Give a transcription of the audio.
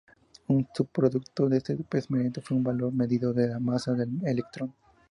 Un subproducto de este experimento fue un valor medido de la masa del electrón.